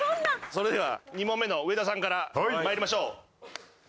それでは２問目の上田さんからまいりましょう。